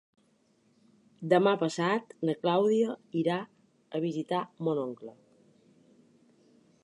Demà passat na Clàudia irà a visitar mon oncle.